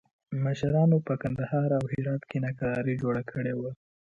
مشرانو په کندهار او هرات کې ناکراري جوړه کړې وه.